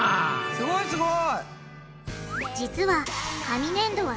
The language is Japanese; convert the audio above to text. すごいすごい！